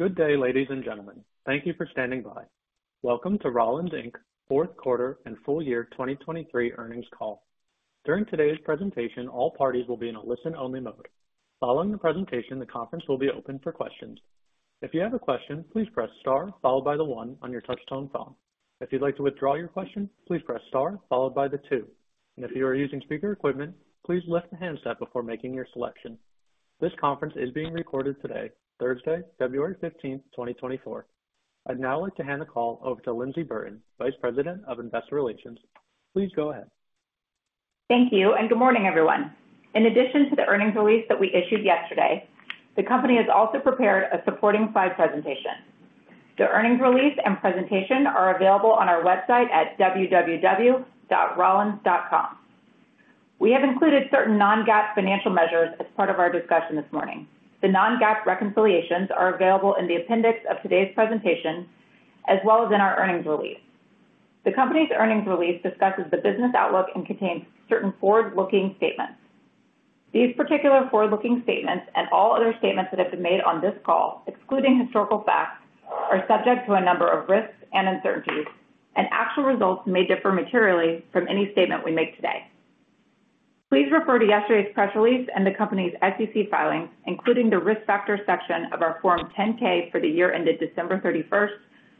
Good day, ladies and gentlemen. Thank you for standing by. Welcome to Rollins, Inc. fourth quarter and full year 2023 Earnings Call. During today's presentation, all parties will be in a listen-only mode. Following the presentation, the conference will be open for questions. If you have a question, please press star followed by the one on your touch tone phone. If you'd like to withdraw your question, please press star followed by the two. If you are using speaker equipment, please lift the handset before making your selection. This conference is being recorded today, Thursday, February 15, 2024. I'd now like to hand the call over to Lyndsey Burton, Vice President of Investor Relations. Please go ahead. Thank you, and good morning, everyone. In addition to the earnings release that we issued yesterday, the company has also prepared a supporting slide presentation. The earnings release and presentation are available on our website at www.rollins.com. We have included certain non-GAAP financial measures as part of our discussion this morning. The non-GAAP reconciliations are available in the appendix of today's presentation, as well as in our earnings release. The company's earnings release discusses the business outlook and contains certain forward-looking statements. These particular forward-looking statements and all other statements that have been made on this call, excluding historical facts, are subject to a number of risks and uncertainties, and actual results may differ materially from any statement we make today. Please refer to yesterday's press release and the company's SEC filings, including the risk factors section of our Form 10-K for the year ended December 31,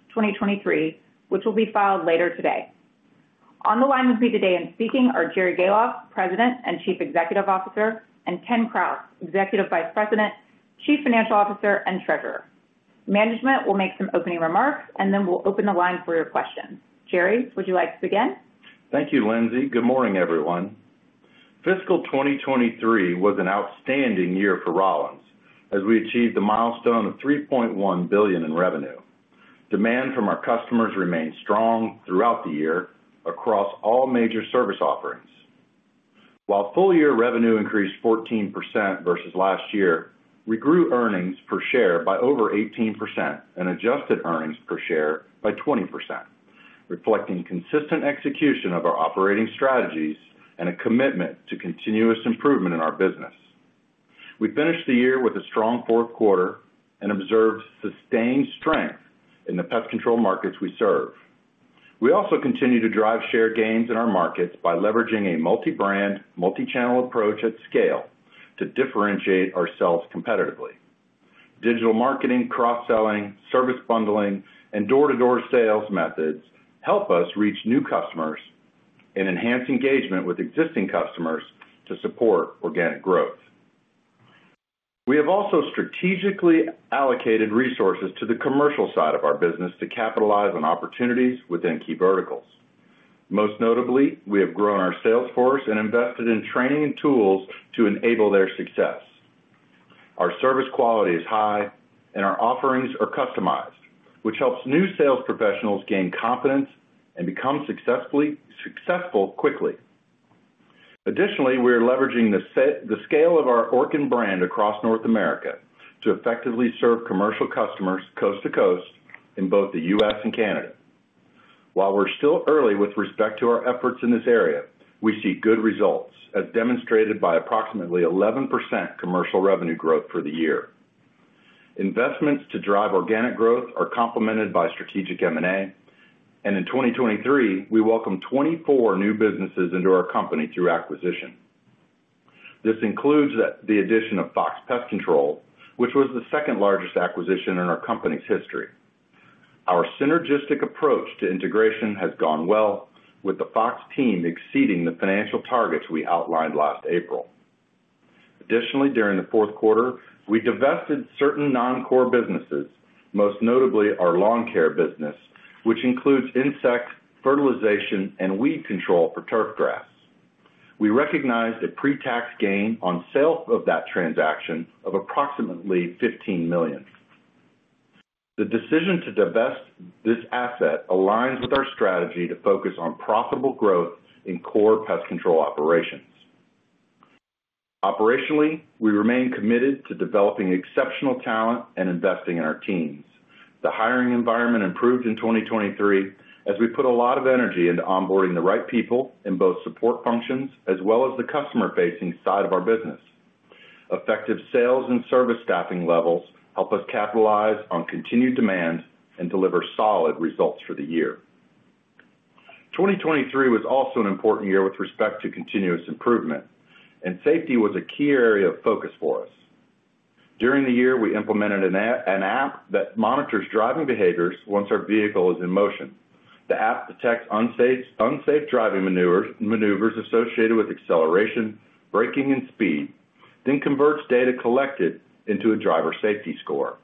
2023, which will be filed later today. On the line with me today and speaking are Jerry Gahlhoff, President and Chief Executive Officer, and Kenneth Krause, Executive Vice President, Chief Financial Officer, and Treasurer. Management will make some opening remarks, and then we'll open the line for your questions. Jerry, would you like to begin? Thank you, Lyndsey. Good morning, everyone. Fiscal 2023 was an outstanding year for Rollins as we achieved the milestone of $3.1 billion in revenue. Demand from our customers remained strong throughout the year across all major service offerings. While full year revenue increased 14% versus last year, we grew earnings per share by over 18% and adjusted earnings per share by 20%, reflecting consistent execution of our operating strategies and a commitment to continuous improvement in our business. We finished the year with a strong fourth quarter and observed sustained strength in the pest control markets we serve. We also continue to drive share gains in our markets by leveraging a multi-brand, multi-channel approach at scale to differentiate ourselves competitively. Digital marketing, cross-selling, service bundling, and door-to-door sales methods help us reach new customers and enhance engagement with existing customers to support organic growth. We have also strategically allocated resources to the commercial side of our business to capitalize on opportunities within key verticals. Most notably, we have grown our sales force and invested in training and tools to enable their success. Our service quality is high, and our offerings are customized, which helps new sales professionals gain confidence and become successful quickly. Additionally, we are leveraging the scale of our Orkin brand across North America to effectively serve commercial customers coast to coast in both the U.S. and Canada. While we're still early with respect to our efforts in this area, we see good results, as demonstrated by approximately 11% commercial revenue growth for the year. Investments to drive organic growth are complemented by strategic M&A, and in 2023, we welcomed 24 new businesses into our company through acquisition. This includes the addition of Fox Pest Control, which was the second largest acquisition in our company's history. Our synergistic approach to integration has gone well, with the Fox team exceeding the financial targets we outlined last April. Additionally, during the fourth quarter, we divested certain non-core businesses, most notably our lawn care business, which includes insect, fertilization, and weed control for turf grass. We recognized a pre-tax gain on sale of that transaction of approximately $15 million. The decision to divest this asset aligns with our strategy to focus on profitable growth in core pest control operations. Operationally, we remain committed to developing exceptional talent and investing in our teams. The hiring environment improved in 2023 as we put a lot of energy into onboarding the right people in both support functions as well as the customer-facing side of our business. Effective sales and service staffing levels help us capitalize on continued demand and deliver solid results for the year. 2023 was also an important year with respect to continuous improvement, and safety was a key area of focus for us. During the year, we implemented an app that monitors driving behaviors once our vehicle is in motion. The app detects unsafe driving maneuvers associated with acceleration, braking, and speed, then converts data collected into a driver safety score.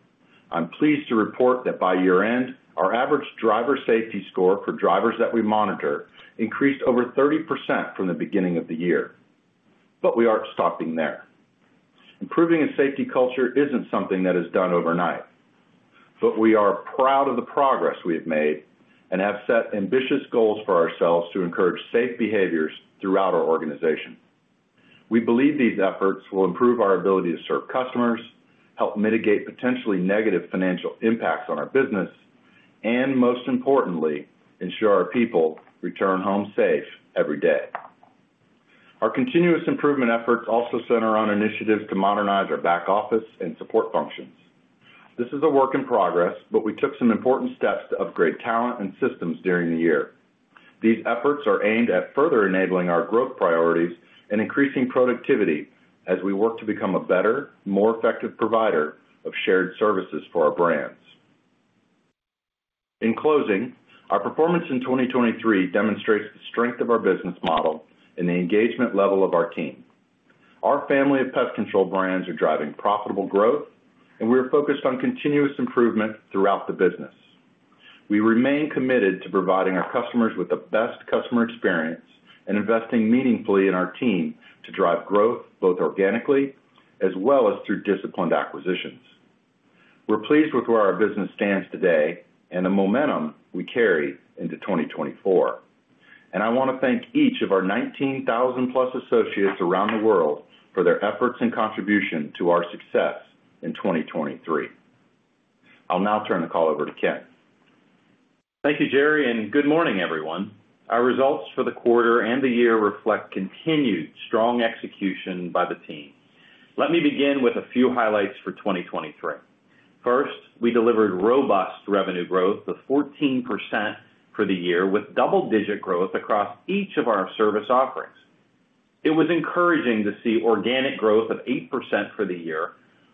I'm pleased to report that by year-end, our average driver safety score for drivers that we monitor increased over 30% from the beginning of the year. But we aren't stopping there. Improving a safety culture isn't something that is done overnight, but we are proud of the progress we have made and have set ambitious goals for ourselves to encourage safe behaviors throughout our organization. We believe these efforts will improve our ability to serve customers, help mitigate potentially negative financial impacts on our business, and most importantly, ensure our people return home safe every day. Our continuous improvement efforts also center on initiatives to modernize our back office and support functions. This is a work in progress, but we took some important steps to upgrade talent and systems during the year. These efforts are aimed at further enabling our growth priorities and increasing productivity as we work to become a better, more effective provider of shared services for our brands. In closing, our performance in 2023 demonstrates the strength of our business model and the engagement level of our team. Our family of pest control brands are driving profitable growth, and we are focused on continuous improvement throughout the business. We remain committed to providing our customers with the best customer experience and investing meaningfully in our team to drive growth both organically as well as through disciplined acquisitions. We're pleased with where our business stands today and the momentum we carry into 2024. I want to thank each of our 19,000+ associates around the world for their efforts and contribution to our success in 2023. I'll now turn the call over to Kenneth. Thank you, Jerry, and good morning, everyone. Our results for the quarter and the year reflect continued strong execution by the team. Let me begin with a few highlights for 2023. First, we delivered robust revenue growth of 14% for the year, with double-digit growth across each of our service offerings. It was encouraging to see organic growth of 8% for the year,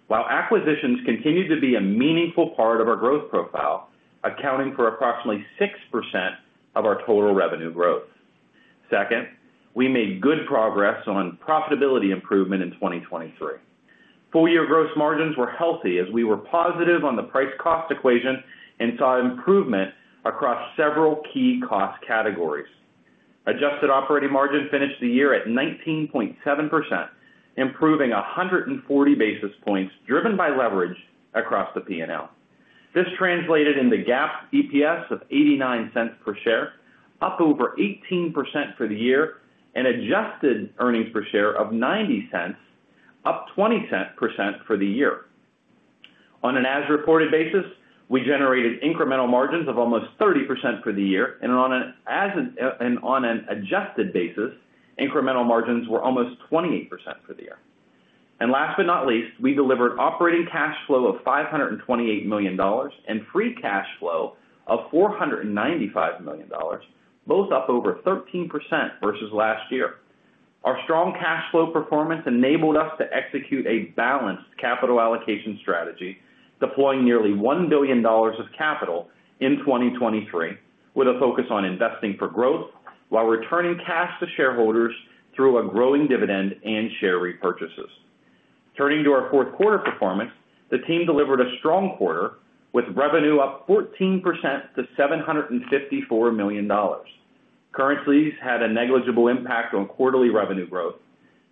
while acquisitions continued to be a meaningful part of our growth profile, accounting for approximately 6% of our total revenue growth. Second, we made good progress on profitability improvement in 2023. Full year gross margins were healthy as we were positive on the price-cost equation and saw improvement across several key cost categories. Adjusted operating margin finished the year at 19.7%, improving 140 basis points driven by leverage across the P&L. This translated in the GAAP EPS of $0.89 per share, up over 18% for the year, and adjusted earnings per share of $0.90, up 20% for the year. On an as-reported basis, we generated incremental margins of almost 30% for the year, and on an adjusted basis, incremental margins were almost 28% for the year. Last but not least, we delivered operating cash flow of $528 million and free cash flow of $495 million, both up over 13% versus last year. Our strong cash flow performance enabled us to execute a balanced capital allocation strategy, deploying nearly $1 billion of capital in 2023 with a focus on investing for growth while returning cash to shareholders through a growing dividend and share repurchases. Turning to our fourth quarter performance, the team delivered a strong quarter with revenue up 14% to $754 million. Currencies had a negligible impact on quarterly revenue growth.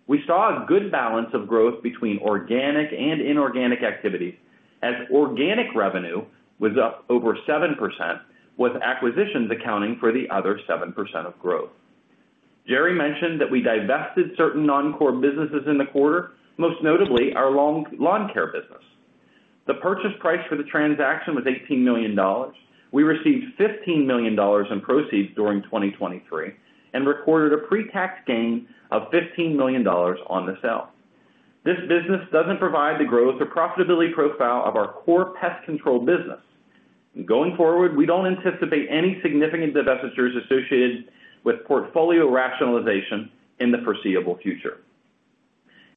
We saw a good balance of growth between organic and inorganic activities as organic revenue was up over 7%, with acquisitions accounting for the other 7% of growth. Jerry mentioned that we divested certain non-core businesses in the quarter, most notably our lawn care business. The purchase price for the transaction was $18 million. We received $15 million in proceeds during 2023 and recorded a pre-tax gain of $15 million on the sale. This business doesn't provide the growth or profitability profile of our core pest control business. Going forward, we don't anticipate any significant divestitures associated with portfolio rationalization in the foreseeable future.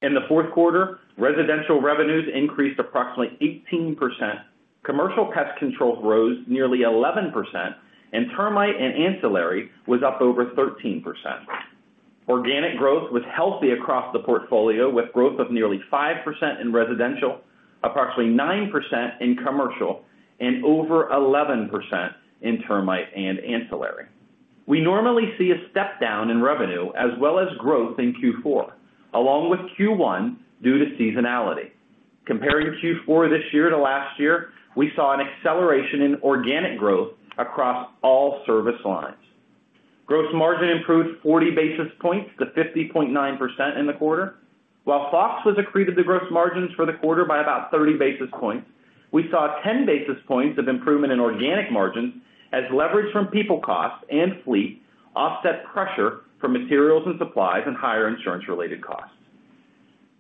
In the fourth quarter, residential revenues increased approximately 18%, commercial pest controls rose nearly 11%, and termite and ancillary was up over 13%. Organic growth was healthy across the portfolio, with growth of nearly 5% in residential, approximately 9% in commercial, and over 11% in termite and ancillary. We normally see a step down in revenue as well as growth in Q4, along with Q1 due to seasonality. Comparing Q4 this year to last year, we saw an acceleration in organic growth across all service lines. Gross margin improved 40 basis points to 50.9% in the quarter. While Fox was accretive to gross margins for the quarter by about 30 basis points, we saw 10 basis points of improvement in organic margins as leverage from people costs and fleet offset pressure for materials and supplies and higher insurance-related costs.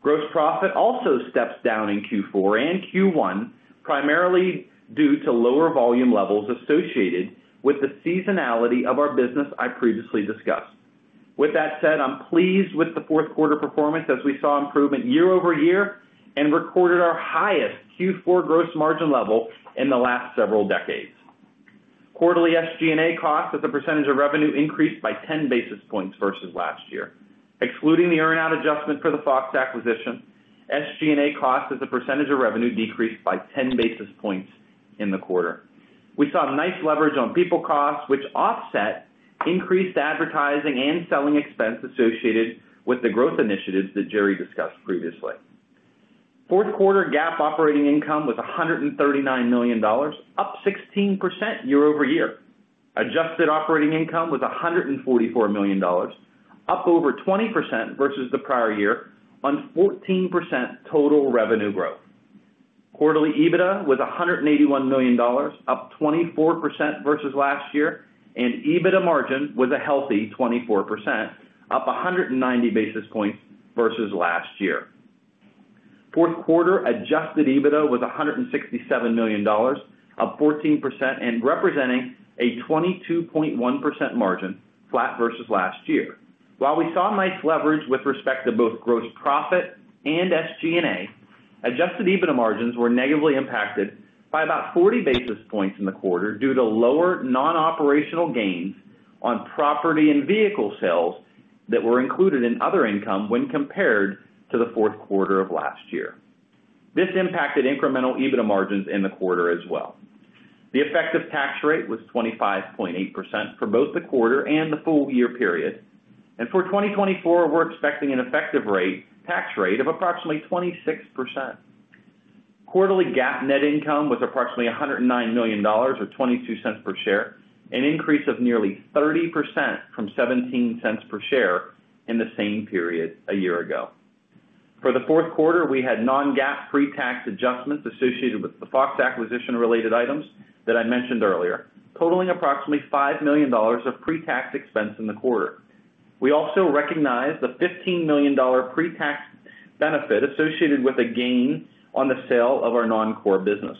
Gross profit also steps down in Q4 and Q1, primarily due to lower volume levels associated with the seasonality of our business, I previously discussed. With that said, I'm pleased with the fourth quarter performance as we saw improvement year-over-year and recorded our highest Q4 gross margin level in the last several decades. Quarterly SG&A cost as a percentage of revenue increased by 10 basis points versus last year. Excluding the earnout adjustment for the Fox acquisition, SG&A cost as a percentage of revenue decreased by 10 basis points in the quarter. We saw nice leverage on people costs, which offset increased advertising and selling expense associated with the growth initiatives that Jerry discussed previously. Fourth quarter GAAP operating income was $139 million, up 16% year-over-year. Adjusted operating income was $144 million, up over 20% versus the prior year on 14% total revenue growth. Quarterly EBITDA was $181 million, up 24% versus last year, and EBITDA margin was a healthy 24%, up 190 basis points versus last year. Fourth quarter adjusted EBITDA was $167 million, up 14% and representing a 22.1% margin flat versus last year. While we saw nice leverage with respect to both gross profit and SG&A, adjusted EBITDA margins were negatively impacted by about 40 basis points in the quarter due to lower non-operational gains on property and vehicle sales that were included in other income when compared to the fourth quarter of last year. This impacted incremental EBITDA margins in the quarter as well. The effective tax rate was 25.8% for both the quarter and the full year period. For 2024, we're expecting an effective tax rate of approximately 26%. Quarterly GAAP net income was approximately $109 million or $0.22 per share, an increase of nearly 30% from $0.17 per share in the same period a year ago. For the fourth quarter, we had non-GAAP pre-tax adjustments associated with the Fox acquisition-related items that I mentioned earlier, totaling approximately $5 million of pre-tax expense in the quarter. We also recognized the $15 million pre-tax benefit associated with a gain on the sale of our non-core business.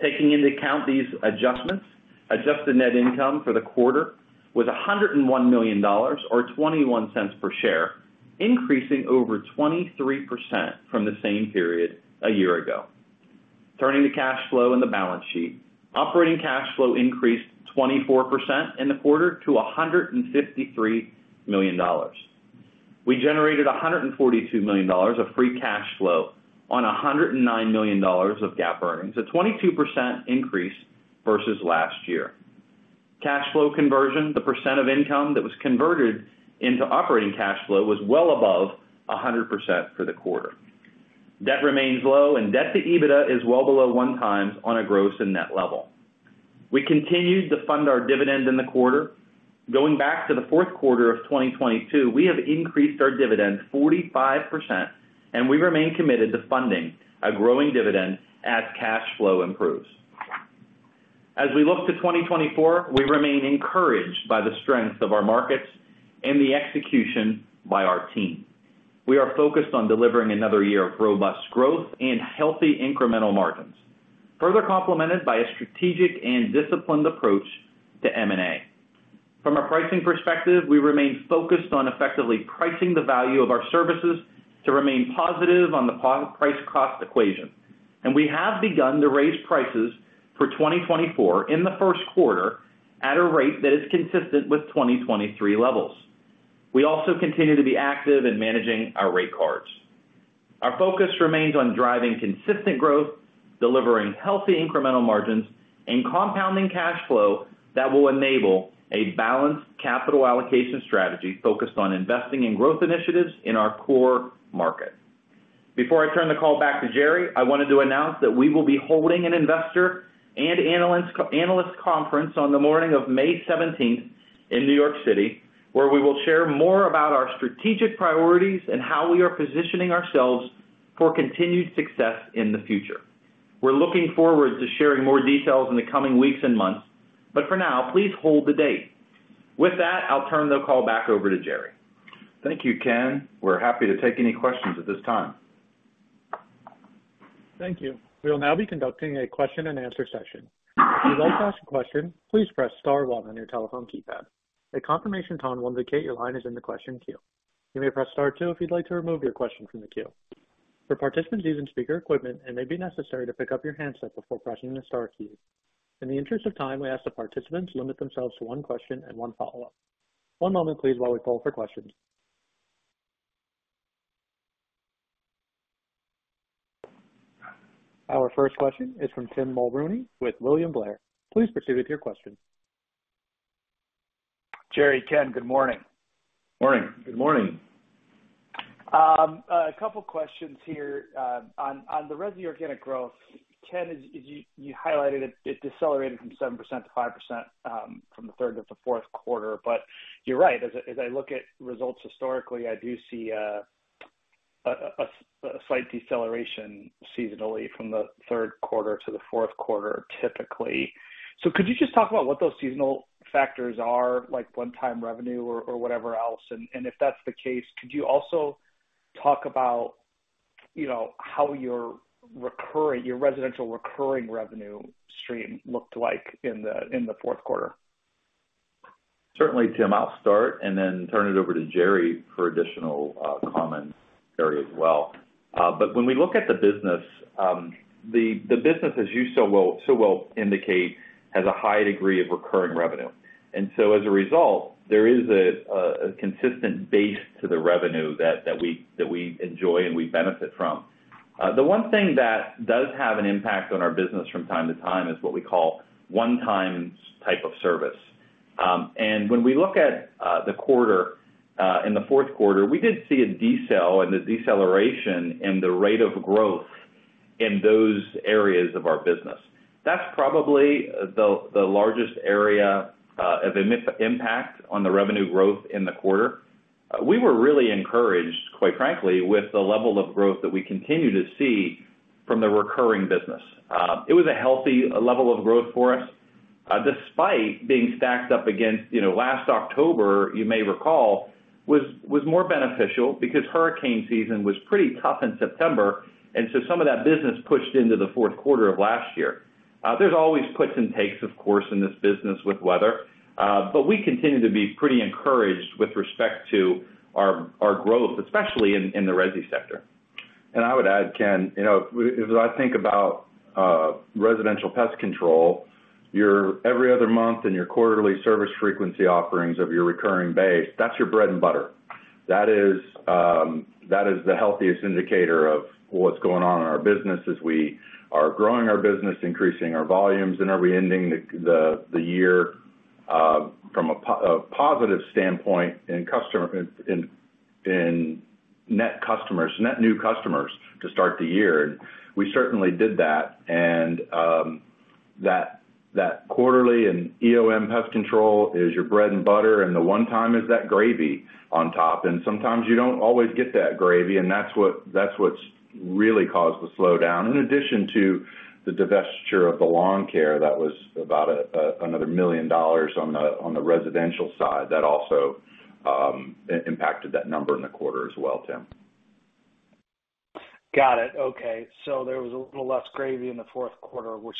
Taking into account these adjustments, adjusted net income for the quarter was $101 million or $0.21 per share, increasing over 23% from the same period a year ago. Turning to cash flow in the balance sheet, operating cash flow increased 24% in the quarter to $153 million. We generated $142 million of free cash flow on $109 million of GAAP earnings, a 22% increase versus last year. Cash flow conversion, the percent of income that was converted into operating cash flow, was well above 100% for the quarter. Debt remains low, and debt to EBITDA is well below one times on a gross and net level. We continued to fund our dividend in the quarter. Going back to the fourth quarter of 2022, we have increased our dividend 45%, and we remain committed to funding a growing dividend as cash flow improves. As we look to 2024, we remain encouraged by the strength of our markets and the execution by our team. We are focused on delivering another year of robust growth and healthy incremental margins, further complemented by a strategic and disciplined approach to M&A. From a pricing perspective, we remain focused on effectively pricing the value of our services to remain positive on the price-cost equation. We have begun to raise prices for 2024 in the first quarter at a rate that is consistent with 2023 levels. We also continue to be active in managing our rate cards. Our focus remains on driving consistent growth, delivering healthy incremental margins, and compounding cash flow that will enable a balanced capital allocation strategy focused on investing in growth initiatives in our core market. Before I turn the call back to Jerry, I wanted to announce that we will be holding an investor and analyst conference on the morning of May 17th in New York City, where we will share more about our strategic priorities and how we are positioning ourselves for continued success in the future. We're looking forward to sharing more details in the coming weeks and months, but for now, please hold the date. With that, I'll turn the call back over to Jerry. Thank you, Kenneth. We're happy to take any questions at this time. Thank you. We will now be conducting a question-and-answer session. If you'd like to ask a question, please press star one on your telephone keypad. A confirmation tone will indicate your line is in the question queue. You may press star two if you'd like to remove your question from the queue. For participants using speaker equipment, it may be necessary to pick up your handset before pressing the star key. In the interest of time, we ask that participants limit themselves to one question and one follow-up. One moment, please, while we pull for questions. Our first question is from Tim Mulrooney with William Blair. Please proceed with your question. Jerry, Kenneth, good morning. Morning. Good morning. A couple of questions here. On the rest of the organic growth, Kenneth, you highlighted it decelerated from 7%-5% from the third to the fourth quarter. But you're right. As I look at results historically, I do see a slight deceleration seasonally from the third quarter to the fourth quarter, typically. So could you just talk about what those seasonal factors are, like one-time revenue or whatever else? And if that's the case, could you also talk about how your residential recurring revenue stream looked like in the fourth quarter? Certainly, Tim. I'll start and then turn it over to Jerry for additional comments, Jerry, as well. But when we look at the business, the business, as you so well indicate, has a high degree of recurring revenue. And so as a result, there is a consistent base to the revenue that we enjoy and we benefit from. The one thing that does have an impact on our business from time to time is what we call one-time type of service. And when we look at the quarter, in the fourth quarter, we did see a decline and a deceleration in the rate of growth in those areas of our business. That's probably the largest area of impact on the revenue growth in the quarter. We were really encouraged, quite frankly, with the level of growth that we continue to see from the recurring business. It was a healthy level of growth for us despite being stacked up against last October, you may recall, was more beneficial because hurricane season was pretty tough in September, and so some of that business pushed into the fourth quarter of last year. There's always puts and takes, of course, in this business with weather, but we continue to be pretty encouraged with respect to our growth, especially in the Resi sector. I would add, Kenneth, if I think about residential pest control, every other month in your quarterly service frequency offerings of your recurring base, that's your bread and butter. That is the healthiest indicator of what's going on in our business as we are growing our business, increasing our volumes, and are we ending the year from a positive standpoint in net new customers to start the year? We certainly did that. That quarterly and EOM pest control is your bread and butter, and the one-time is that gravy on top. Sometimes you don't always get that gravy, and that's what's really caused the slowdown. In addition to the divestiture of the lawn care that was about another $1 million on the residential side, that also impacted that number in the quarter as well, Tim. Got it. Okay. So there was a little less gravy in the fourth quarter, which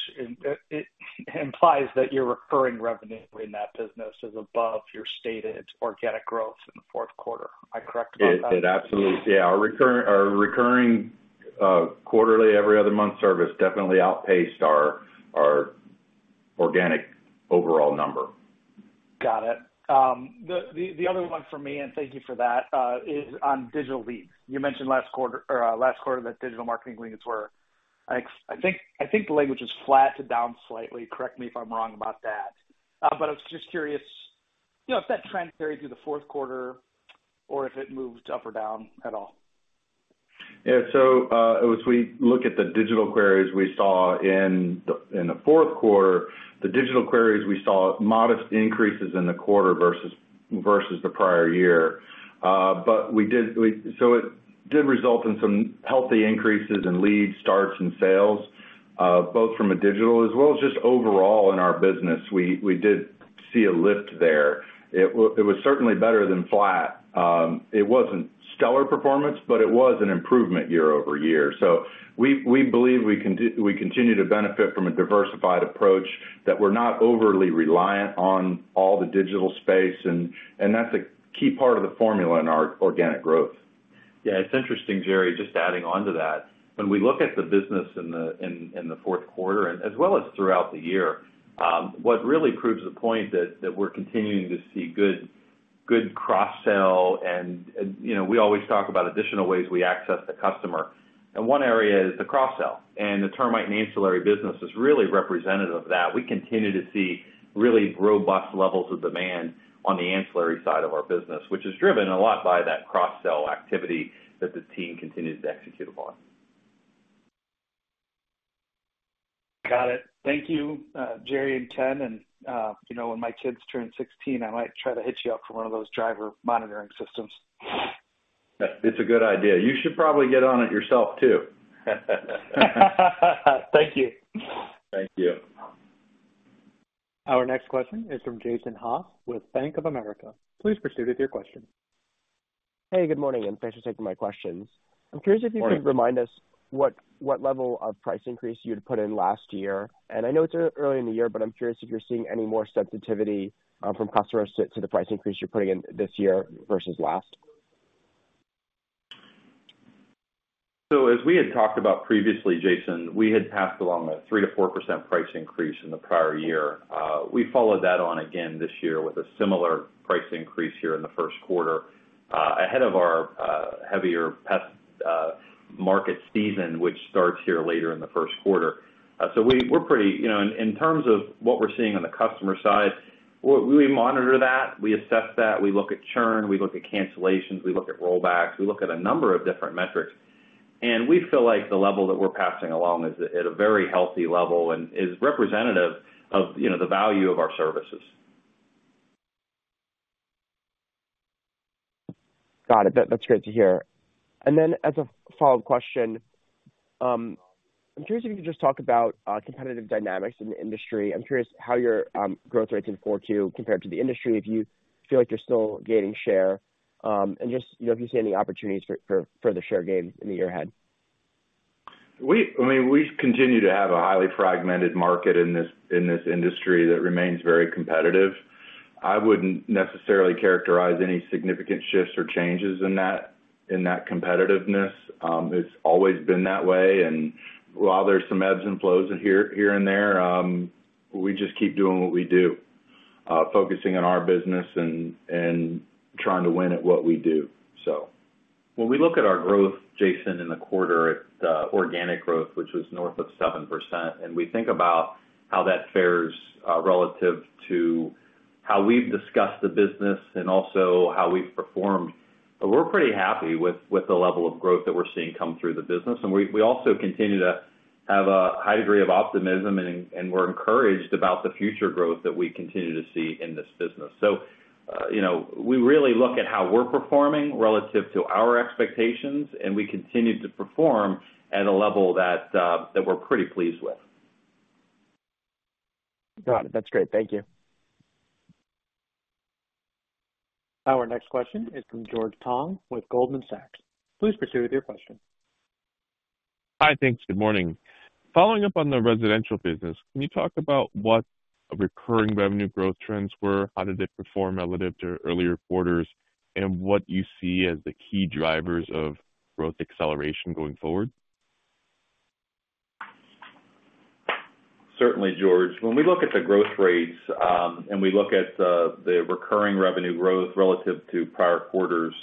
implies that your recurring revenue in that business is above your stated organic growth in the fourth quarter. Am I correct about that? Yeah. Our recurring quarterly, every other month service definitely outpaced our organic overall number. Got it. The other one for me, and thank you for that, is on digital leads. You mentioned last quarter that digital marketing leads were I think the language was flat to down slightly. Correct me if I'm wrong about that. But I was just curious if that trend carried through the fourth quarter or if it moved up or down at all? Yeah. So if we look at the digital queries we saw in the fourth quarter, we saw modest increases in the quarter versus the prior year. But so it did result in some healthy increases in leads, starts, and sales, both from a digital as well as just overall in our business. We did see a lift there. It was certainly better than flat. It wasn't stellar performance, but it was an improvement year-over-year. So we believe we continue to benefit from a diversified approach that we're not overly reliant on all the digital space, and that's a key part of the formula in our organic growth. Yeah. It's interesting, Jerry, just adding on to that. When we look at the business in the fourth quarter, as well as throughout the year, what really proves the point that we're continuing to see good cross-sale and we always talk about additional ways we access the customer. And one area is the cross-sale. And the termite and ancillary business is really representative of that. We continue to see really robust levels of demand on the ancillary side of our business, which is driven a lot by that cross-sale activity that the team continues to execute upon. Got it. Thank you, Jerry and Kenneth. And when my kids turn 16, I might try to hit you up for one of those driver monitoring systems. It's a good idea. You should probably get on it yourself too. Thank you. Thank you. Our next question is from Jason Haas with Bank of America. Please proceed with your question. Hey, good morning, and thanks for taking my questions. I'm curious if you could remind us what level of price increase you'd put in last year? I know it's early in the year, but I'm curious if you're seeing any more sensitivity from customers to the price increase you're putting in this year versus last? So as we had talked about previously, Jason, we had passed along a 3%-4% price increase in the prior year. We followed that on again this year with a similar price increase here in the first quarter ahead of our heavier pest market season, which starts here later in the first quarter. So we're pretty in terms of what we're seeing on the customer side, we monitor that. We assess that. We look at churn. We look at cancellations. We look at rollbacks. We look at a number of different metrics. And we feel like the level that we're passing along is at a very healthy level and is representative of the value of our services. Got it. That's great to hear. And then as a follow-up question, I'm curious if you could just talk about competitive dynamics in the industry. I'm curious how your growth rates in Q4 compared to the industry, if you feel like you're still gaining share, and just if you see any opportunities for further share gains in the year ahead. I mean, we continue to have a highly fragmented market in this industry that remains very competitive. I wouldn't necessarily characterize any significant shifts or changes in that competitiveness. It's always been that way. And while there's some ebbs and flows here and there, we just keep doing what we do, focusing on our business and trying to win at what we do, so. When we look at our growth, Jason, in the quarter at organic growth, which was north of 7%, and we think about how that fares relative to how we've discussed the business and also how we've performed, we're pretty happy with the level of growth that we're seeing come through the business. We also continue to have a high degree of optimism, and we're encouraged about the future growth that we continue to see in this business. We really look at how we're performing relative to our expectations, and we continue to perform at a level that we're pretty pleased with. Got it. That's great. Thank you. Our next question is from George Tong with Goldman Sachs. Please proceed with your question. Hi, thanks. Good morning. Following up on the residential business, can you talk about what recurring revenue growth trends were, how did they perform relative to earlier quarters, and what you see as the key drivers of growth acceleration going forward? Certainly, George. When we look at the growth rates and we look at the recurring revenue growth relative to prior quarters,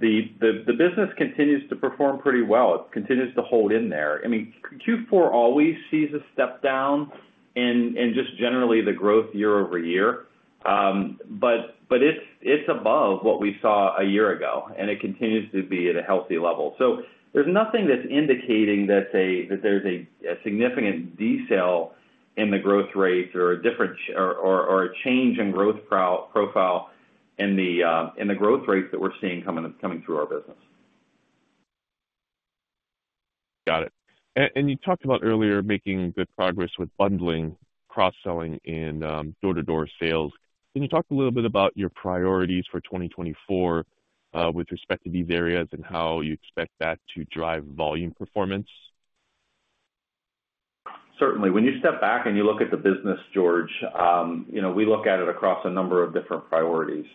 the business continues to perform pretty well. It continues to hold in there. I mean, Q4 always sees a step down in just generally the growth year-over-year, but it's above what we saw a year ago, and it continues to be at a healthy level. So there's nothing that's indicating that there's a significant deceleration in the growth rates or a change in growth profile in the growth rates that we're seeing coming through our business. Got it. You talked about earlier making good progress with bundling, cross-selling, and door-to-door sales. Can you talk a little bit about your priorities for 2024 with respect to these areas and how you expect that to drive volume performance? Certainly. When you step back and you look at the business, George, we look at it across a number of different priorities.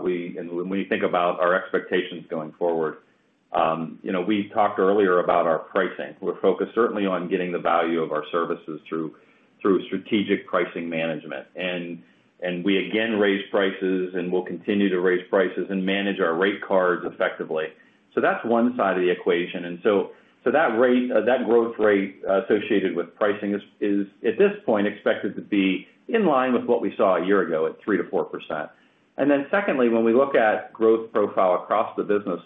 When we think about our expectations going forward, we talked earlier about our pricing. We're focused certainly on getting the value of our services through strategic pricing management. And we, again, raise prices, and we'll continue to raise prices and manage our rate cards effectively. So that's one side of the equation. And so that growth rate associated with pricing is, at this point, expected to be in line with what we saw a year ago at 3%-4%. And then secondly, when we look at growth profile across the business,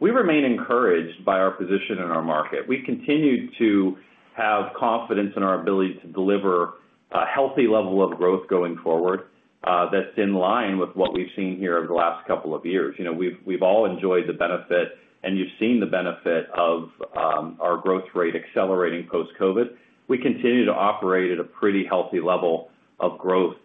we remain encouraged by our position in our market. We continue to have confidence in our ability to deliver a healthy level of growth going forward that's in line with what we've seen here over the last couple of years. We've all enjoyed the benefit, and you've seen the benefit of our growth rate accelerating post-COVID. We continue to operate at a pretty healthy level of growth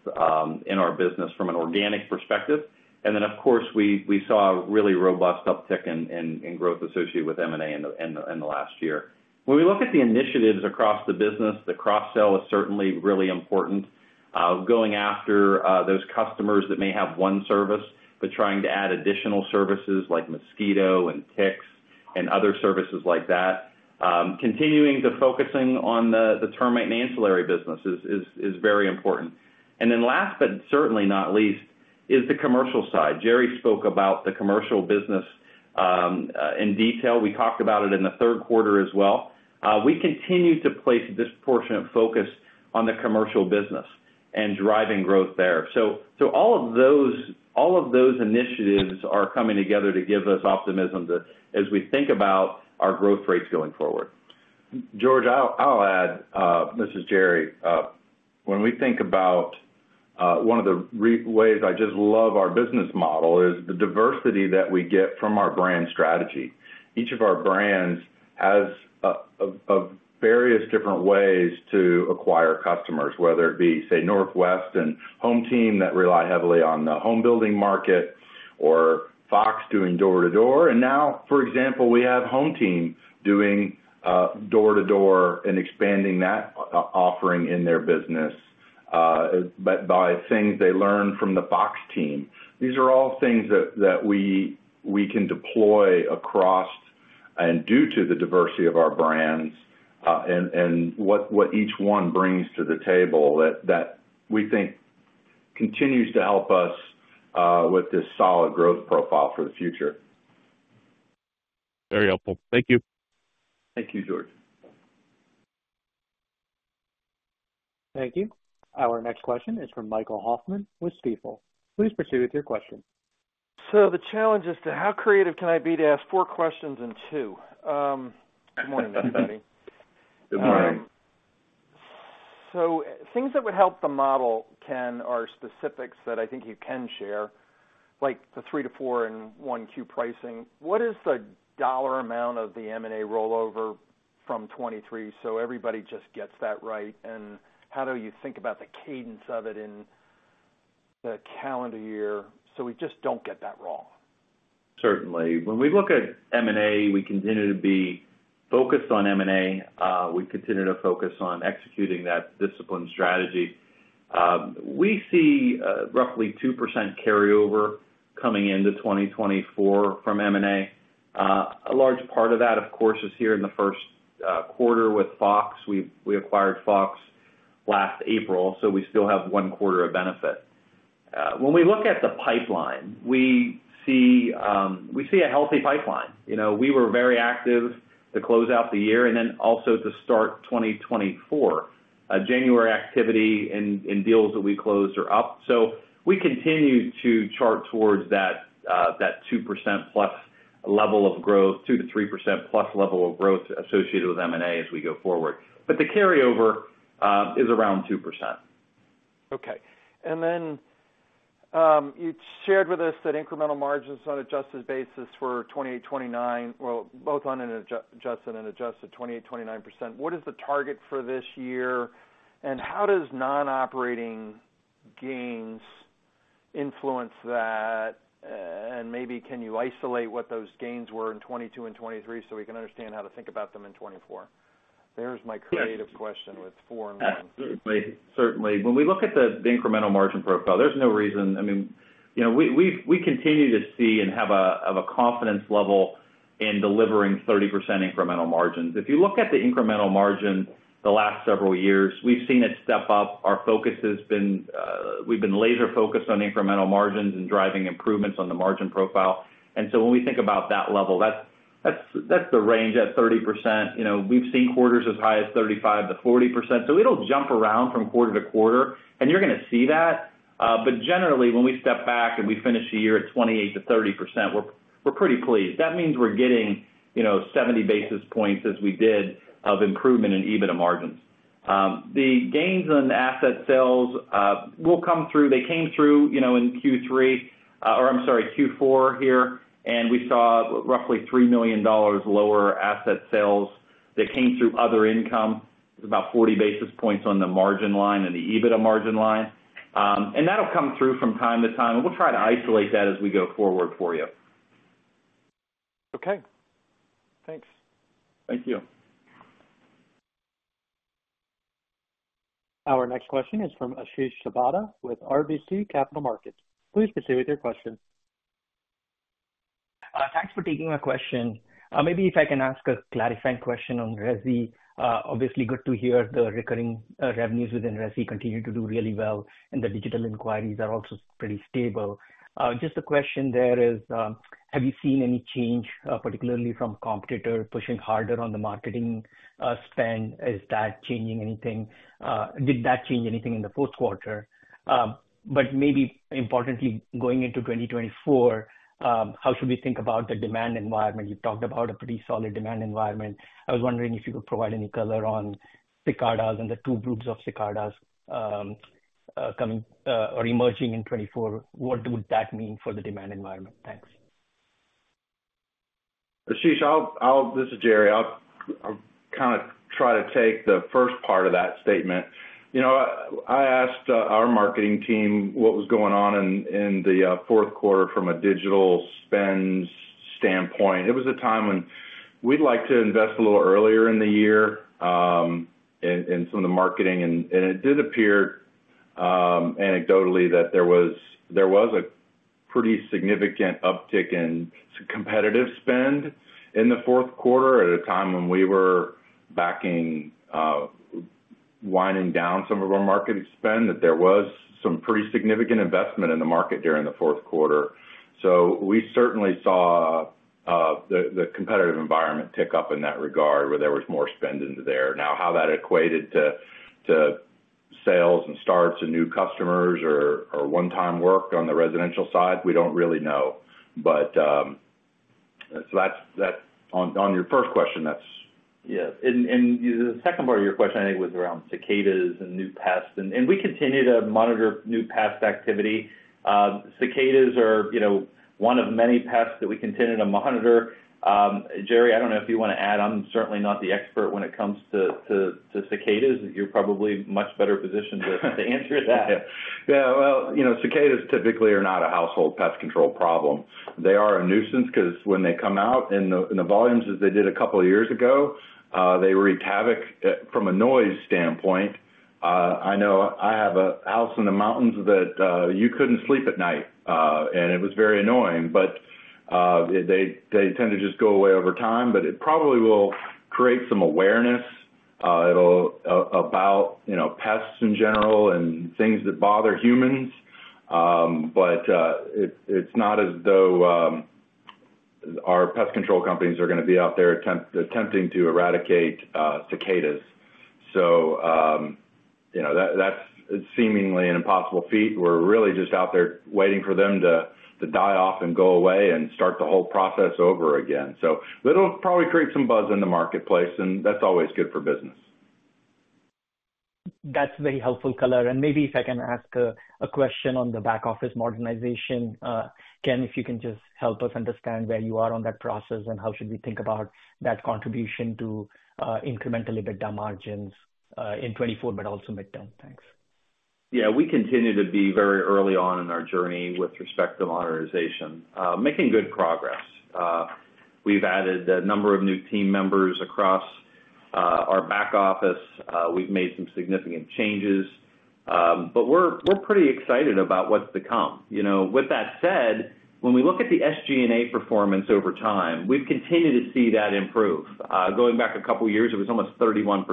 in our business from an organic perspective. And then, of course, we saw a really robust uptick in growth associated with M&A in the last year. When we look at the initiatives across the business, the cross-sale is certainly really important. Going after those customers that may have one service but trying to add additional services like mosquito and ticks and other services like that, continuing to focus on the termite and ancillary business is very important. And then last, but certainly not least, is the commercial side. Jerry spoke about the commercial business in detail. We talked about it in the third quarter as well. We continue to place a disproportionate focus on the commercial business and driving growth there. All of those initiatives are coming together to give us optimism as we think about our growth rates going forward. George, I'll add, this is Jerry, when we think about one of the ways I just love our business model is the diversity that we get from our brand strategy. Each of our brands has various different ways to acquire customers, whether it be, say, Northwest and HomeTeam that rely heavily on the homebuilding market or Fox doing door-to-door. And now, for example, we have HomeTeam doing door-to-door and expanding that offering in their business by things they learn from the Fox team. These are all things that we can deploy across and due to the diversity of our brands and what each one brings to the table that we think continues to help us with this solid growth profile for the future. Very helpful. Thank you. Thank you, George. Thank you. Our next question is from Michael Hoffman with Stifel. Please proceed with your question. So the challenge is to how creative can I be to ask four questions and two? Good morning, everybody. Good morning. Things that would help the model, Ken, are specifics that I think you can share, like the three to four and Q1 pricing. What is the dollar amount of the M&A rollover from 2023 so everybody just gets that right? How do you think about the cadence of it in the calendar year so we just don't get that wrong? Certainly. When we look at M&A, we continue to be focused on M&A. We continue to focus on executing that disciplined strategy. We see roughly 2% carryover coming into 2024 from M&A. A large part of that, of course, is here in the first quarter with Fox. We acquired Fox last April, so we still have one quarter of benefit. When we look at the pipeline, we see a healthy pipeline. We were very active to close out the year and then also to start 2024. January activity in deals that we closed are up. So we continue to chart towards that 2%+ level of growth, 2%-3%+ level of growth associated with M&A as we go forward. But the carryover is around 2%. Okay. And then you shared with us that incremental margins on an adjusted basis for 28%-29%, well, both on an adjusted and adjusted 28%-29%. What is the target for this year? And how does non-operating gains influence that? And maybe can you isolate what those gains were in 2022 and 2023 so we can understand how to think about them in 2024? There's my creative question with four and one. Absolutely. Certainly. When we look at the incremental margin profile, there's no reason, I mean, we continue to see and have a confidence level in delivering 30% incremental margins. If you look at the incremental margin the last several years, we've seen it step up. Our focus has been we've been laser-focused on incremental margins and driving improvements on the margin profile. And so when we think about that level, that's the range at 30%. We've seen quarters as high as 35%-40%. So it'll jump around from quarter to quarter, and you're going to see that. But generally, when we step back and we finish the year at 28%-30%, we're pretty pleased. That means we're getting 70 basis points as we did of improvement in EBITDA margins. The gains on asset sales will come through. They came through in Q3 or I'm sorry, Q4 here. We saw roughly $3 million lower asset sales that came through other income. It's about 40 basis points on the margin line and the EBITDA margin line. That'll come through from time to time. We'll try to isolate that as we go forward for you. Okay. Thanks. Thank you. Our next question is from Ashish Sabadra with RBC Capital Markets. Please proceed with your question. Thanks for taking my question. Maybe if I can ask a clarifying question on Resi. Obviously, good to hear the recurring revenues within Resi continue to do really well, and the digital inquiries are also pretty stable. Just a question there is, have you seen any change, particularly from competitor pushing harder on the marketing spend? Is that changing anything? Did that change anything in the fourth quarter? But maybe importantly, going into 2024, how should we think about the demand environment? You talked about a pretty solid demand environment. I was wondering if you could provide any color on cicadas and the two groups of cicadas coming or emerging in 2024. What would that mean for the demand environment? Thanks. Ashish, this is Jerry. I'll kind of try to take the first part of that statement. I asked our marketing team what was going on in the fourth quarter from a digital spends standpoint. It was a time when we'd like to invest a little earlier in the year in some of the marketing. And it did appear anecdotally that there was a pretty significant uptick in competitive spend in the fourth quarter at a time when we were winding down some of our marketing spend, that there was some pretty significant investment in the market during the fourth quarter. So we certainly saw the competitive environment tick up in that regard where there was more spend into there. Now, how that equated to sales and starts and new customers or one-time work on the residential side, we don't really know. So on your first question, that's. Yeah. And the second part of your question, I think, was around cicadas and new pests. And we continue to monitor new pest activity. Cicadas are one of many pests that we continue to monitor. Jerry, I don't know if you want to add. I'm certainly not the expert when it comes to cicadas. You're probably much better positioned to answer that. Yeah. Well, cicadas typically are not a household pest control problem. They are a nuisance because when they come out in the volumes as they did a couple of years ago, they wreaked havoc from a noise standpoint. I know I have a house in the mountains that you couldn't sleep at night, and it was very annoying. But they tend to just go away over time. But it probably will create some awareness about pests in general and things that bother humans. But it's not as though our pest control companies are going to be out there attempting to eradicate cicadas. So that's seemingly an impossible feat. We're really just out there waiting for them to die off and go away and start the whole process over again. So it'll probably create some buzz in the marketplace, and that's always good for business. That's a very helpful color. Maybe if I can ask a question on the back-office modernization, Ken, if you can just help us understand where you are on that process and how should we think about that contribution to incremental EBITDA margins in 2024 but also midterm. Thanks. Yeah. We continue to be very early on in our journey with respect to modernization, making good progress. We've added a number of new team members across our back office. We've made some significant changes. But we're pretty excited about what's to come. With that said, when we look at the SG&A performance over time, we've continued to see that improve. Going back a couple of years, it was almost 31%.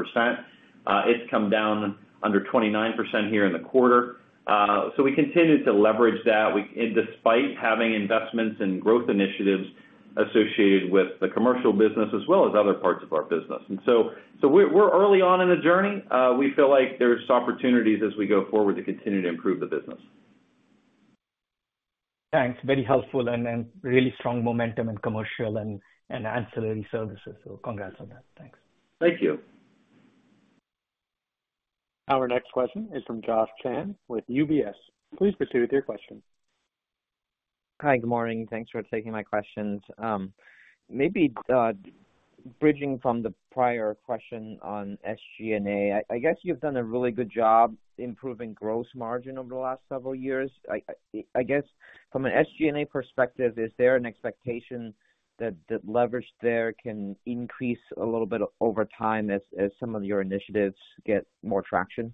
It's come down under 29% here in the quarter. So we continue to leverage that despite having investments in growth initiatives associated with the commercial business as well as other parts of our business. And so we're early on in the journey. We feel like there's opportunities as we go forward to continue to improve the business. Thanks. Very helpful and really strong momentum in commercial and ancillary services. Congrats on that. Thanks. Thank you. Our next question is from Josh Chan with UBS. Please proceed with your question. Hi. Good morning. Thanks for taking my questions. Maybe bridging from the prior question on SG&A, I guess you've done a really good job improving gross margin over the last several years. I guess from an SG&A perspective, is there an expectation that leverage there can increase a little bit over time as some of your initiatives get more traction?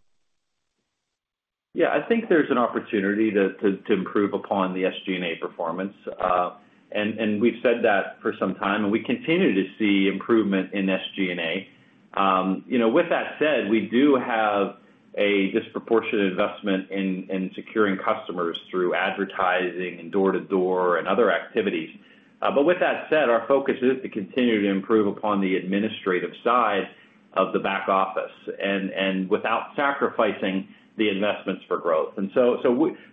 Yeah. I think there's an opportunity to improve upon the SG&A performance. And we've said that for some time, and we continue to see improvement in SG&A. With that said, we do have a disproportionate investment in securing customers through advertising and door-to-door and other activities. But with that said, our focus is to continue to improve upon the administrative side of the back office without sacrificing the investments for growth. And so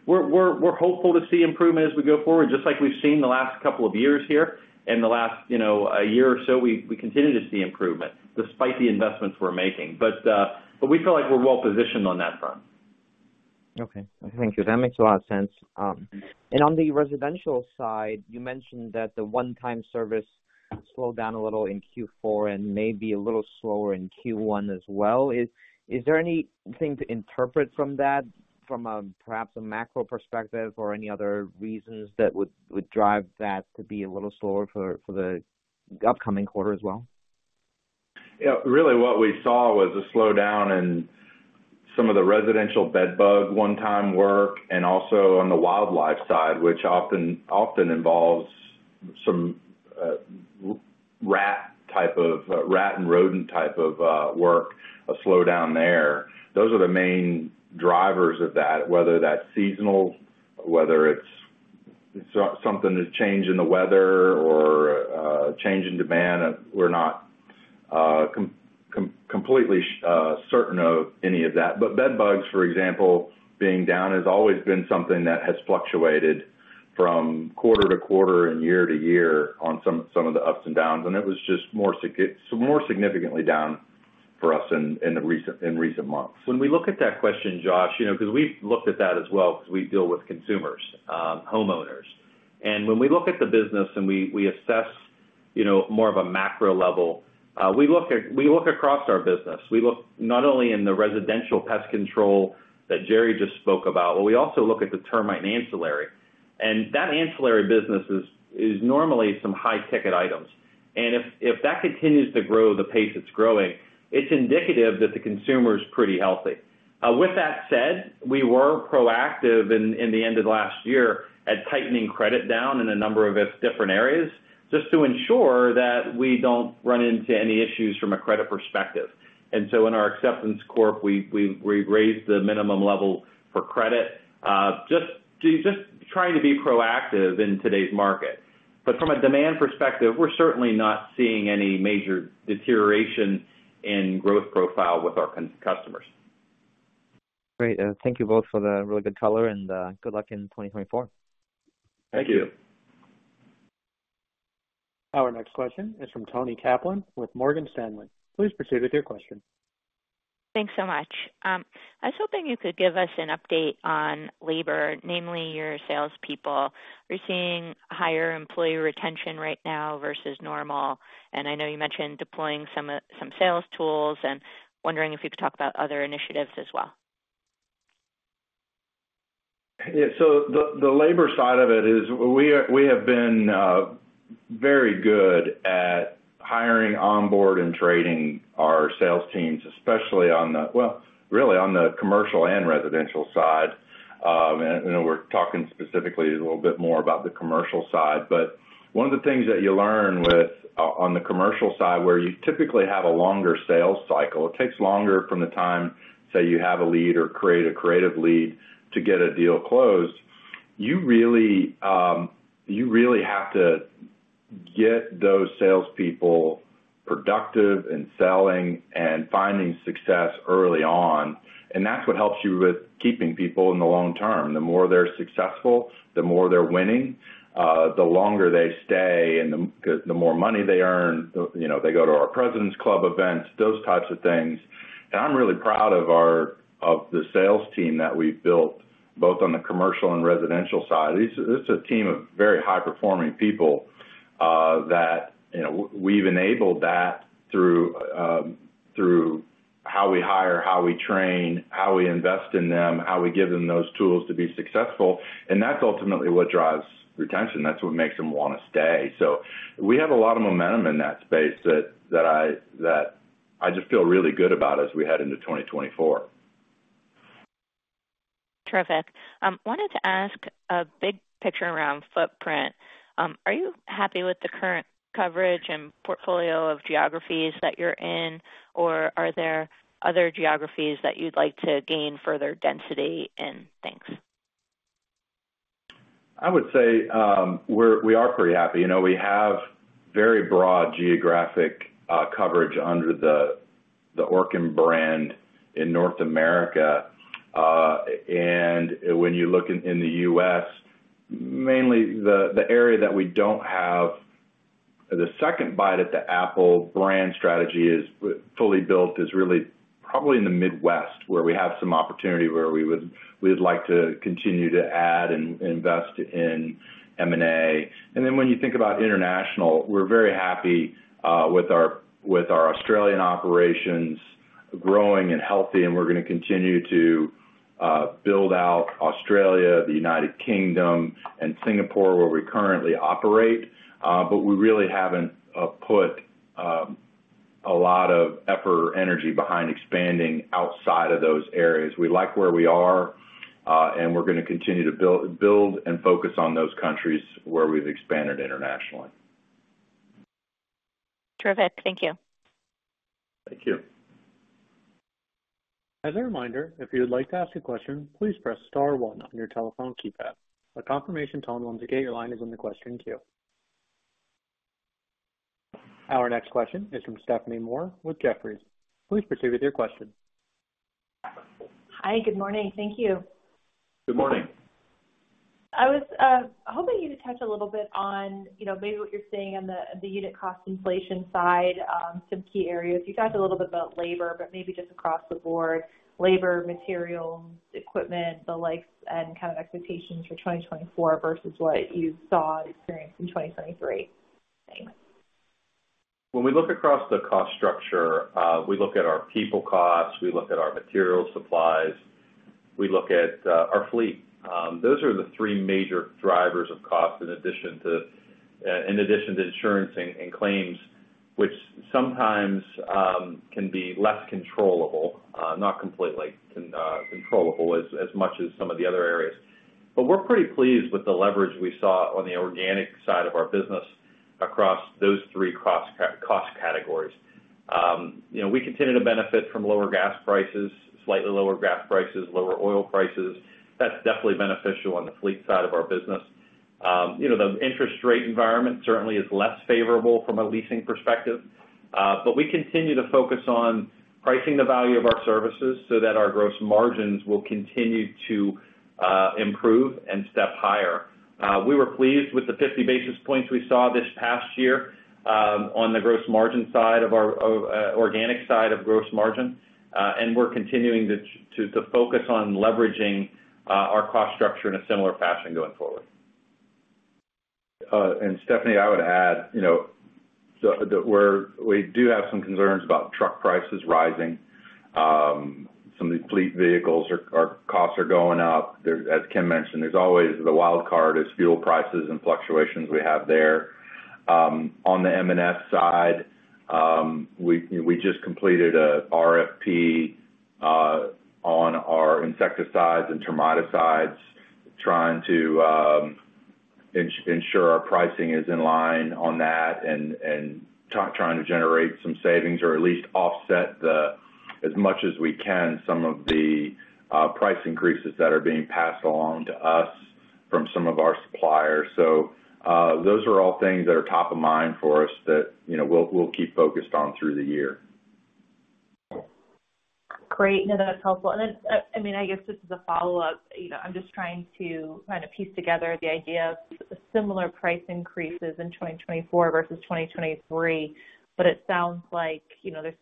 we're hopeful to see improvement as we go forward, just like we've seen the last couple of years here. And the last year or so, we continue to see improvement despite the investments we're making. But we feel like we're well positioned on that front. Okay. Thank you. That makes a lot of sense. On the residential side, you mentioned that the one-time service slowed down a little in Q4 and may be a little slower in Q1 as well. Is there anything to interpret from that, from perhaps a macro perspective or any other reasons that would drive that to be a little slower for the upcoming quarter as well? Yeah. Really, what we saw was a slowdown in some of the residential bedbug one-time work and also on the wildlife side, which often involves some rat type of rat and rodent type of work, a slowdown there. Those are the main drivers of that, whether that's seasonal, whether it's something that's changed in the weather or a change in demand. We're not completely certain of any of that. But bedbugs, for example, being down has always been something that has fluctuated from quarter to quarter and year to year on some of the ups and downs. And it was just more significantly down for us in recent months. When we look at that question, Josh, because we've looked at that as well because we deal with consumers, homeowners. When we look at the business and we assess more of a macro level, we look across our business. We look not only in the residential pest control that Jerry just spoke about, but we also look at the termite and ancillary. That ancillary business is normally some high-ticket items. If that continues to grow the pace it's growing, it's indicative that the consumer is pretty healthy. With that said, we were proactive in the end of last year at tightening credit down in a number of different areas just to ensure that we don't run into any issues from a credit perspective. So in our Acceptance Corp, we raised the minimum level for credit, just trying to be proactive in today's market. But from a demand perspective, we're certainly not seeing any major deterioration in growth profile with our customers. Great. Thank you both for the really good color. Good luck in 2024. Thank you. Our next question is from Toni Kaplan with Morgan Stanley. Please proceed with your question. Thanks so much. I was hoping you could give us an update on labor, namely your salespeople. We're seeing higher employee retention right now versus normal. I know you mentioned deploying some sales tools and wondering if you could talk about other initiatives as well. Yeah. So the labor side of it is we have been very good at hiring, onboard, and training our sales teams, especially on the well, really, on the commercial and residential side. And we're talking specifically a little bit more about the commercial side. But one of the things that you learn on the commercial side where you typically have a longer sales cycle - it takes longer from the time, say, you have a lead or create a creative lead to get a deal closed - you really have to get those salespeople productive and selling and finding success early on. And that's what helps you with keeping people in the long term. The more they're successful, the more they're winning, the longer they stay, and the more money they earn, they go to our President's Club events, those types of things. I'm really proud of the sales team that we've built both on the commercial and residential side. It's a team of very high-performing people that we've enabled that through how we hire, how we train, how we invest in them, how we give them those tools to be successful. And that's ultimately what drives retention. That's what makes them want to stay. So we have a lot of momentum in that space that I just feel really good about as we head into 2024. Terrific. Wanted to ask a big picture around footprint. Are you happy with the current coverage and portfolio of geographies that you're in, or are there other geographies that you'd like to gain further density in? Thanks. I would say we are pretty happy. We have very broad geographic coverage under the Orkin brand in North America. And when you look in the US, mainly the area that we don't have the second bite at the apple brand strategy is fully built is really probably in the Midwest where we have some opportunity where we would like to continue to add and invest in M&A. And then when you think about international, we're very happy with our Australian operations growing and healthy. And we're going to continue to build out Australia, the United Kingdom, and Singapore where we currently operate. But we really haven't put a lot of effort or energy behind expanding outside of those areas. We like where we are, and we're going to continue to build and focus on those countries where we've expanded internationally. Terrific. Thank you. Thank you. As a reminder, if you would like to ask a question, please press star one on your telephone keypad. A confirmation tone will indicate your line is in the question queue. Our next question is from Stephanie Moore with Jefferies. Please proceed with your question. Hi. Good morning. Thank you. Good morning. I was hoping you could touch a little bit on maybe what you're seeing on the unit cost inflation side, some key areas. You talked a little bit about labor, but maybe just across the board, labor, materials, equipment, the likes, and kind of expectations for 2024 versus what you saw and experienced in 2023. Thanks. When we look across the cost structure, we look at our people costs. We look at our materials, supplies. We look at our fleet. Those are the three major drivers of cost in addition to insurance and claims, which sometimes can be less controllable - not completely controllable as much as some of the other areas - but we're pretty pleased with the leverage we saw on the organic side of our business across those three cost categories. We continue to benefit from lower gas prices, slightly lower gas prices, lower oil prices. That's definitely beneficial on the fleet side of our business. The interest rate environment certainly is less favorable from a leasing perspective. But we continue to focus on pricing the value of our services so that our gross margins will continue to improve and step higher. We were pleased with the 50 basis points we saw this past year on the gross margin side of our organic side of gross margin. We're continuing to focus on leveraging our cost structure in a similar fashion going forward. Stephanie, I would add that we do have some concerns about truck prices rising. Some of the fleet vehicles' costs are going up. As Ken mentioned, there's always the wild card is fuel prices and fluctuations we have there. On the M&S side, we just completed an RFP on our insecticides and termiticides, trying to ensure our pricing is in line on that and trying to generate some savings or at least offset as much as we can some of the price increases that are being passed along to us from some of our suppliers. So those are all things that are top of mind for us that we'll keep focused on through the year. Great. No, that's helpful. And then, I mean, I guess just as a follow-up, I'm just trying to kind of piece together the idea of similar price increases in 2024 versus 2023. But it sounds like there's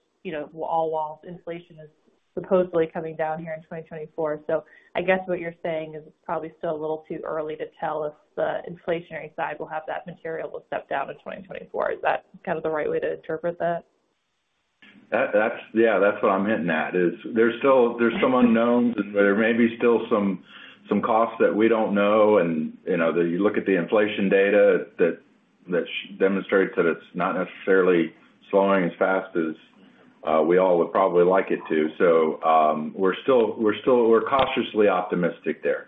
overall inflation is supposedly coming down here in 2024. So I guess what you're saying is it's probably still a little too early to tell if the inflationary side will step down materially in 2024. Is that kind of the right way to interpret that? Yeah. That's what I'm hinting at is there's some unknowns, and there may be still some costs that we don't know. And you look at the inflation data that demonstrates that it's not necessarily slowing as fast as we all would probably like it to. So we're cautiously optimistic there.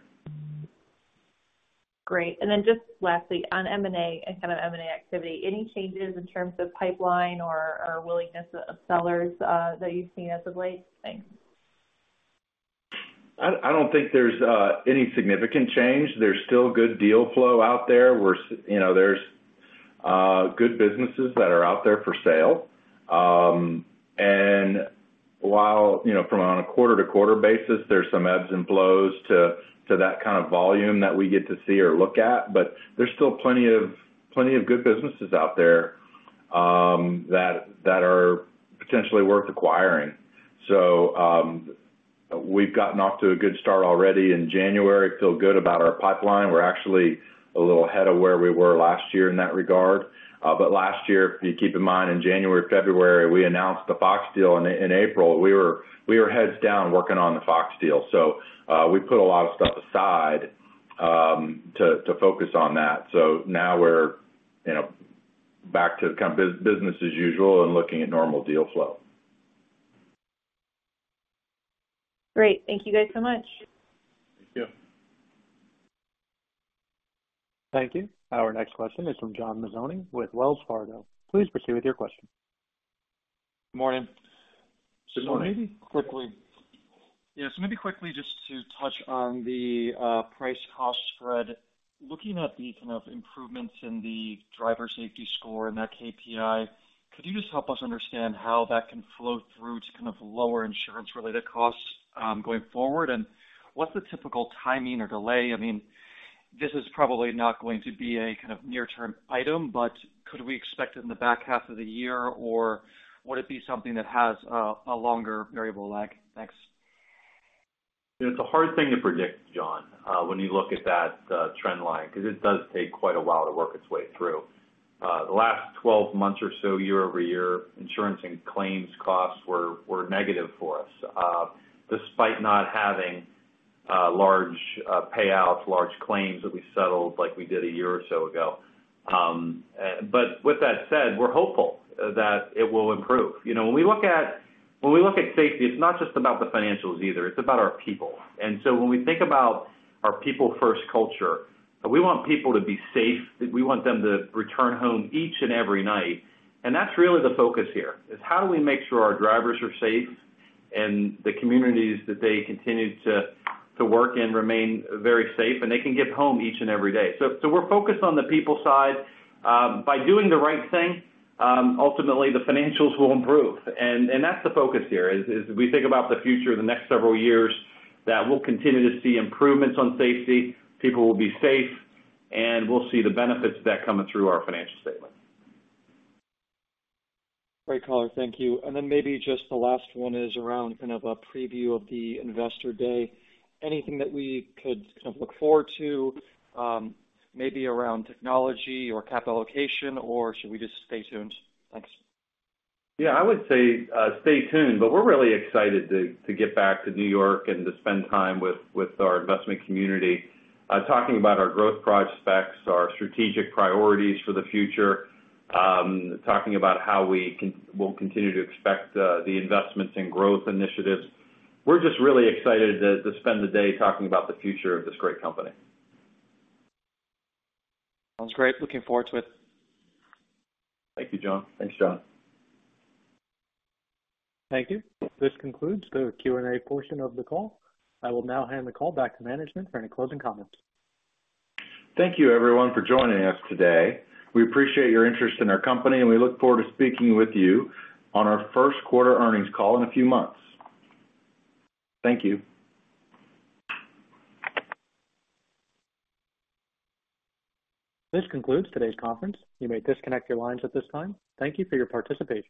Great. Then just lastly, on M&A and kind of M&A activity, any changes in terms of pipeline or willingness of sellers that you've seen as of late? Thanks. I don't think there's any significant change. There's still good deal flow out there. There's good businesses that are out there for sale. And from on a quarter-to-quarter basis, there's some ebbs and flows to that kind of volume that we get to see or look at. But there's still plenty of good businesses out there that are potentially worth acquiring. So we've gotten off to a good start already in January. Feel good about our pipeline. We're actually a little ahead of where we were last year in that regard. But last year, if you keep in mind, in January, February, we announced the Fox deal. And in April, we were heads down working on the Fox deal. So we put a lot of stuff aside to focus on that. So now we're back to kind of business as usual and looking at normal deal flow. Great. Thank you guys so much. Thank you. Thank you. Our next question is from John Mazzoni with Wells Fargo. Please proceed with your question. Good morning. Good morning. Maybe quickly. Yeah. So maybe quickly just to touch on the price-cost spread. Looking at the kind of improvements in the driver safety score and that KPI, could you just help us understand how that can flow through to kind of lower insurance-related costs going forward? And what's the typical timing or delay? I mean, this is probably not going to be a kind of near-term item, but could we expect it in the back half of the year, or would it be something that has a longer variable lag? Thanks. Yeah. It's a hard thing to predict, John, when you look at that trend line because it does take quite a while to work its way through. The last 12 months or so, year-over-year, insurance and claims costs were negative for us despite not having large payouts, large claims that we settled like we did a year or so ago. But with that said, we're hopeful that it will improve. When we look at safety, it's not just about the financials either. It's about our people. And so when we think about our people-first culture, we want people to be safe. We want them to return home each and every night. That's really the focus here is how do we make sure our drivers are safe and the communities that they continue to work in remain very safe and they can get home each and every day. So we're focused on the people side. By doing the right thing, ultimately, the financials will improve. That's the focus here is we think about the future, the next several years that we'll continue to see improvements on safety. People will be safe, and we'll see the benefits of that coming through our financial statements. Great caller. Thank you. And then maybe just the last one is around kind of a preview of the investor day. Anything that we could kind of look forward to maybe around technology or cap allocation, or should we just stay tuned? Thanks. Yeah. I would say stay tuned. We're really excited to get back to New York and to spend time with our investment community talking about our growth prospects, our strategic priorities for the future, talking about how we will continue to expect the investments and growth initiatives. We're just really excited to spend the day talking about the future of this great company. Sounds great. Looking forward to it. Thank you, John. Thanks, John. Thank you. This concludes the Q&A portion of the call. I will now hand the call back to management for any closing comments. Thank you, everyone, for joining us today. We appreciate your interest in our company, and we look forward to speaking with you on our first quarter earnings call in a few months. Thank you. This concludes today's conference. You may disconnect your lines at this time. Thank you for your participation.